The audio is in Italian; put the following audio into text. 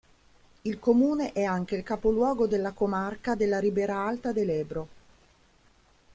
Il comune è anche il capoluogo della comarca della Ribera Alta del Ebro.